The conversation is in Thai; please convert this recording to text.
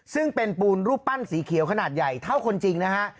ซึ่งเป็นปูนรูปปั้นสีเขียวขนาดใหญ่เท่าคนจริงนะฮะ